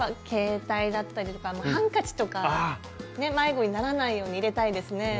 携帯だったりとかハンカチとか迷子にならないように入れたいですね。